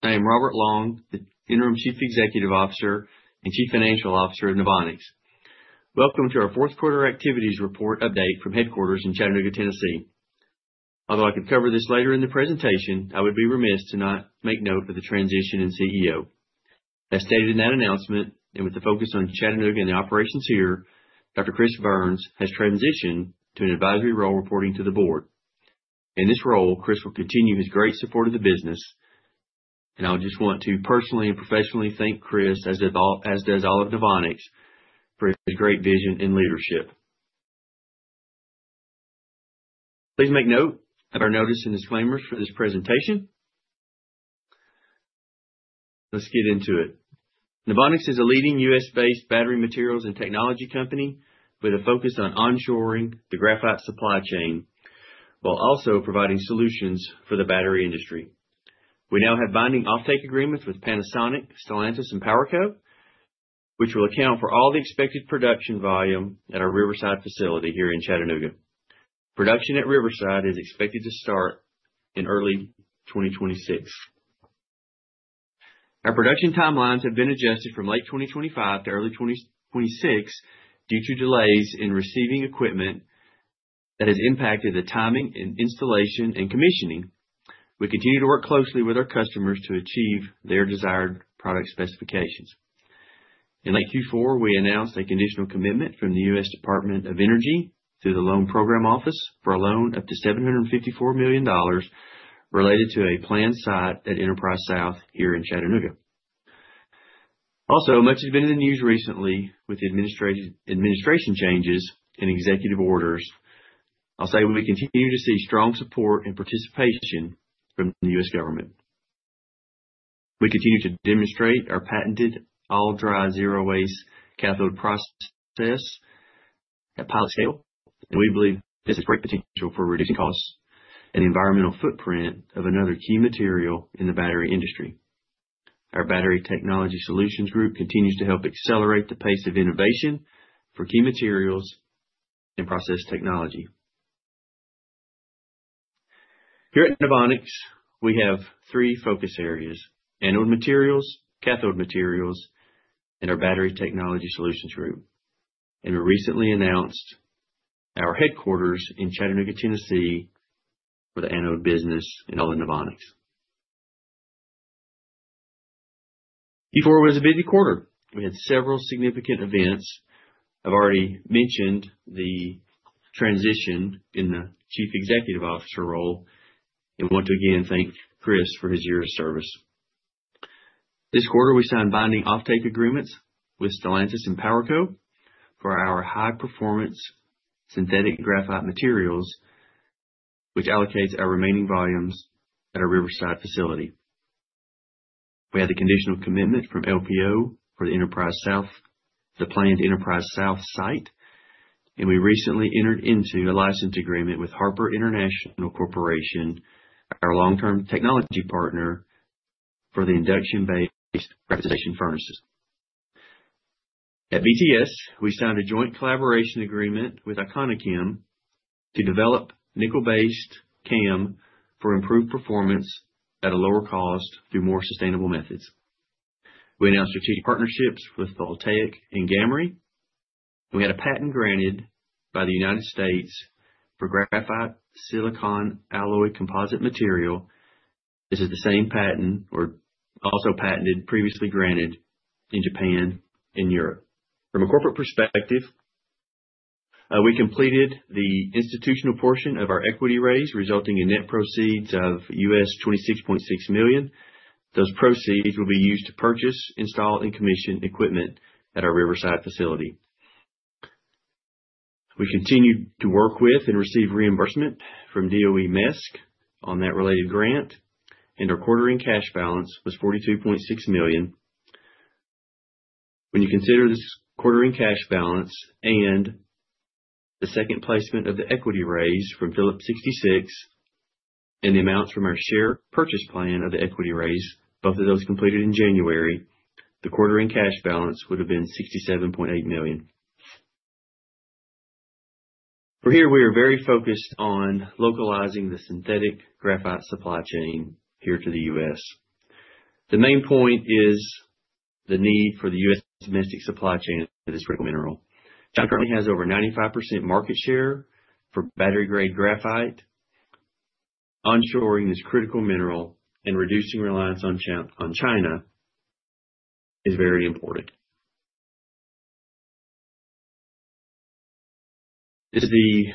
I am Robert Long, the Interim Chief Executive Officer and Chief Financial Officer of Novonix. Welcome to our fourth quarter activities report update from headquarters in Chattanooga, Tennessee. Although I can cover this later in the presentation, I would be remiss to not make note of the transition in CEO. As stated in that announcement, and with the focus on Chattanooga and the operations here, Dr. Chris Burns has transitioned to an advisory role reporting to the board. In this role, Chris will continue his great support of the business, and I just want to personally and professionally thank Chris, as does all of Novonix, for his great vision and leadership. Please make note of our Notice and Disclaimers for this presentation. Let's get into it. Novonix is a leading U.S.-based battery materials and technology company with a focus on onshoring the graphite supply chain while also providing solutions for the battery industry. We now have binding offtake agreements with Panasonic, Stellantis, and PowerCo, which will account for all the expected production volume at our Riverside facility here in Chattanooga. Production at Riverside is expected to start in early 2026. Our production timelines have been adjusted from late 2025 to early 2026 due to delays in receiving equipment that has impacted the timing and installation and commissioning. We continue to work closely with our customers to achieve their desired product specifications. In late Q4, we announced a conditional commitment from the U.S. Department of Energy through the Loan Programs Office for a loan up to $754 million related to a planned site at Enterprise South here in Chattanooga. Also, much has been in the news recently with administration changes and executive orders. I'll say we continue to see strong support and participation from the U.S. government. We continue to demonstrate our patented all-dry, zero-waste cathode process at pilot scale, and we believe this has great potential for reducing costs and the environmental footprint of another key material in the battery industry. Our Battery Technology Solutions Group continues to help accelerate the pace of innovation for key materials and process technology. Here at Novonix, we have three focus areas: anode materials, cathode materials, and our Battery Technology Solutions Group, and we recently announced our headquarters in Chattanooga, Tennessee, for the anode business and all of Novonix. Q4 was a busy quarter. We had several significant events. I've already mentioned the transition in the Chief Executive Officer role and want to again thank Chris for his year of service. This quarter, we signed binding offtake agreements with Stellantis and PowerCo for our high-performance synthetic graphite materials, which allocates our remaining volumes at our Riverside facility. We had the conditional commitment from LPO for the Enterprise South, the planned Enterprise South site, and we recently entered into a license agreement with Harper International Corporation, our long-term technology partner, for the induction-based graphitization furnaces. At BTS, we signed a joint collaboration agreement with ICoNiChem to develop nickel-based chemistry for improved performance at a lower cost through more sustainable methods. We announced strategic partnerships with Voltaiq and Gamry. We had a patent granted by the United States for graphite-silicon alloy composite material. This is the same patent or also patented previously granted in Japan and Europe. From a corporate perspective, we completed the institutional portion of our equity raise, resulting in net proceeds of $26.6 million. Those proceeds will be used to purchase, install, and commission equipment at our Riverside facility. We continue to work with and receive reimbursement from DOE MESC on that related grant, and our quarter-end cash balance was $42.6 million. When you consider this quarter-end cash balance and the second placement of the equity raise from Phillips 66 and the amounts from our share purchase plan of the equity raise, both of those completed in January, the quarter-end cash balance would have been $67.8 million. From here, we are very focused on localizing the synthetic graphite supply chain here to the U.S. The main point is the need for the U.S. domestic supply chain of this critical mineral. China currently has over 95% market share for battery-grade graphite. Onshoring this critical mineral and reducing reliance on China is very important. This is the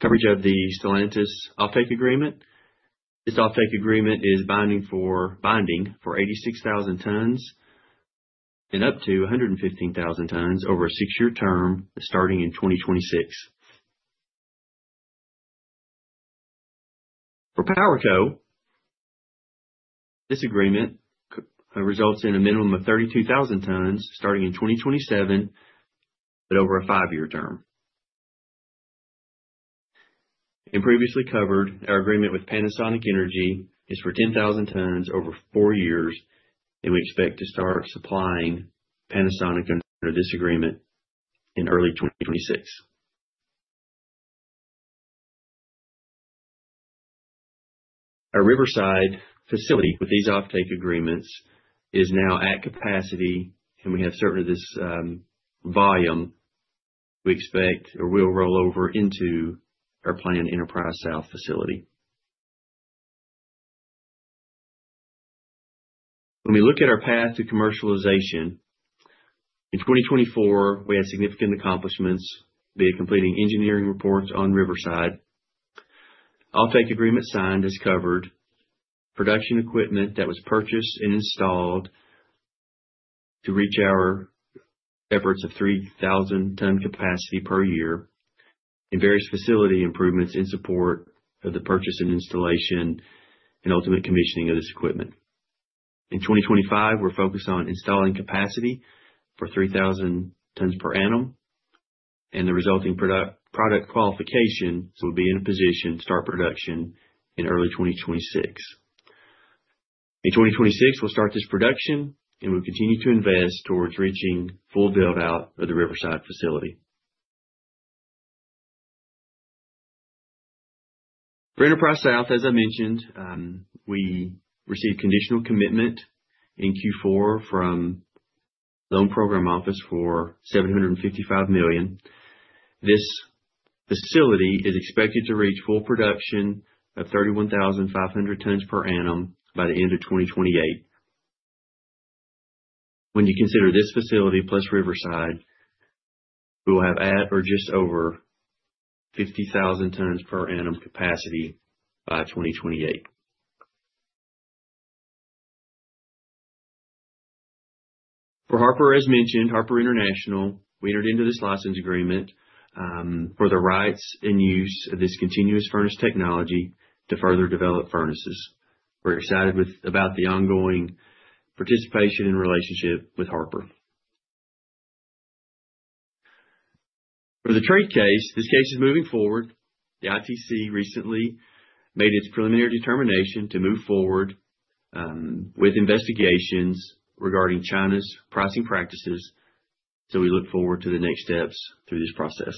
coverage of the Stellantis offtake agreement. This offtake agreement is binding for 86,000 tons and up to 115,000 tons over a six-year term starting in 2026. For PowerCo, this agreement results in a minimum of 32,000 tons starting in 2027, but over a five-year term. Previously covered, our agreement with Panasonic Energy is for 10,000 tons over four years, and we expect to start supplying Panasonic under this agreement in early 2026. Our Riverside facility with these offtake agreements is now at capacity, and we have certainly this volume we expect or will roll over into our planned Enterprise South facility. When we look at our path to commercialization, in 2024, we had significant accomplishments via completing engineering reports on Riverside. Offtake agreement signed is covered production equipment that was purchased and installed to reach our efforts of 3,000-ton capacity per year and various facility improvements in support of the purchase and installation and ultimate commissioning of this equipment. In 2025, we're focused on installing capacity for 3,000 tons per annum, and the resulting product qualification will be in a position to start production in early 2026. In 2026, we'll start this production, and we'll continue to invest towards reaching full build-out of the Riverside facility. For Enterprise South, as I mentioned, we received conditional commitment in Q4 from the Loan Programs Office for $755 million. This facility is expected to reach full production of 31,500 tons per annum by the end of 2028. When you consider this facility plus Riverside, we will have at or just over 50,000 tons per annum capacity by 2028. For Harper, as mentioned, Harper International, we entered into this license agreement for the rights and use of this continuous furnace technology to further develop furnaces. We're excited about the ongoing participation and relationship with Harper. For the trade case, this case is moving forward. The ITC recently made its preliminary determination to move forward with investigations regarding China's pricing practices, so we look forward to the next steps through this process.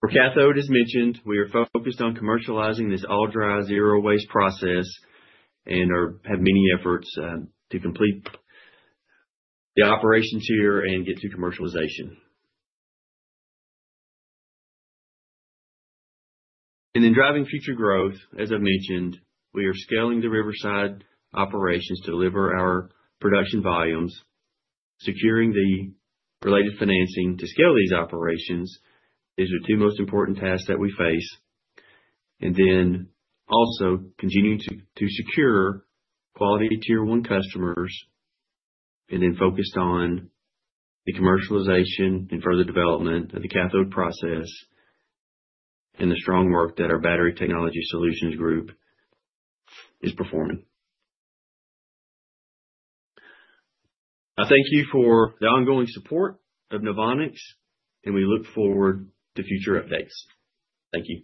For cathode, as mentioned, we are focused on commercializing this all-dry, zero-waste process and have many efforts to complete the operations here and get to commercialization. And in driving future growth, as I've mentioned, we are scaling the Riverside operations to deliver our production volumes. Securing the related financing to scale these operations is the two most important tasks that we face. And then also continuing to secure quality Tier 1 customers and then focused on the commercialization and further development of the cathode process and the strong work that our Battery Technology Solutions Group is performing. I thank you for the ongoing support of Novonix, and we look forward to future updates. Thank you.